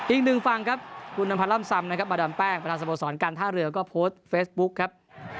อีกหนึ่งฝั่งครับคุณอำพันธ์ล่ำซำนะครับมาดามแป้งประธานสโมสรการท่าเรือก็โพสต์เฟซบุ๊คครับ